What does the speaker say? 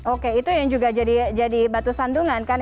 oke itu yang juga jadi batu sandungan kan